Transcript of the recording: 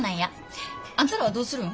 あんたらはどうするん？